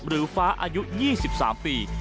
หรือฟ้าอายุ๒๓ปี